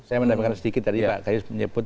saya mendapatkan sedikit tadi pak ajis menyebut